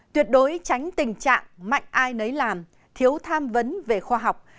tuyệt đối tránh tình trạng mạnh ai nấy làm thiếu tham vấn về khoa học